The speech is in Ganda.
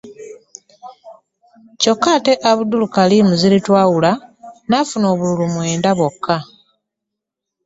Kyokka ate Abdul Kalim Ziritwawula nafuna obululu mwenda bwokka